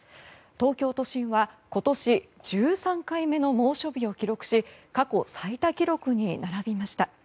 東京都心は今年１３回目の猛暑日を記録し過去最多記録に並びました。